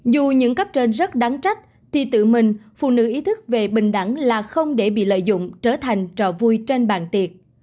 dù những cấp trên rất đáng trách thì tự mình phụ nữ ý thức về bình đẳng là không để bị lợi dụng trở thành trò vui trên bàn tiệc